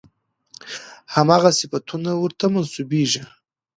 همغه صفتونه ورته منسوبېږي.